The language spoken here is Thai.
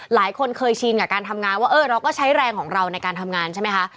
หลายคนเคยชินกับการทำงานว่าเออเราก็ใช้แรงของเราในการทำงานใช่ไหมคะ